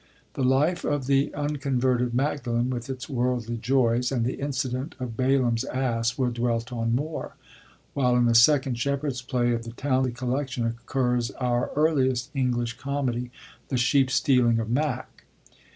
* The life of the uncon verted Magdalen with its worldly joys, and the incident of Balaam's ass, were dwelt on more ; while in the second Shepherds' Play of the Towneley collection occurs our earliest Ehiglish comedy, T?ie Sheep stealing of Mak.